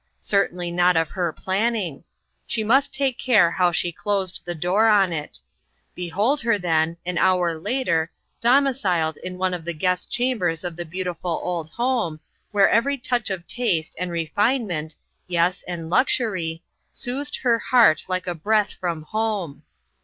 Certainly not of her planning. She must take care how she closed the door on it Behold her, then, an hour later, domiciled in one of the guest chambers of the beautiful old home, where every touch of taste and refinement, yes, and luxury, soothed her heart like a breath from home.